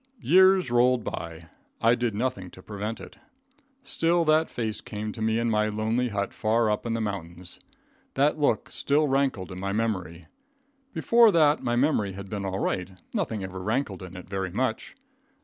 Years rolled by. I did nothing to prevent it. Still that face came to me in my lonely hut far up in the mountains. That look still rankled in my memory. Before that my memory had been all right. Nothing had ever rankled in it very much.